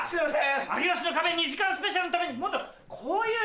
『有吉の壁２時間スペシャル』のためにもっとこういう絵を。